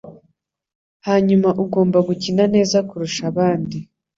Hanyuma ugomba gukina neza kurusha abandi